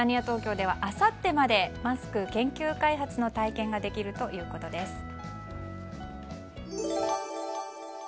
東京ではあさってまでマスク研究・開発の体験ができるということです。